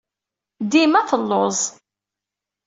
Dima telluẓ.